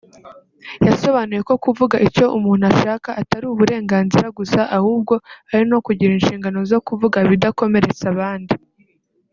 yasobanuye ko kuvuga icyo umuntu ashaka atari uburenganzira gusa ahubwo ari no kugira inshingano zo kuvuga ibidakomeretsa abandi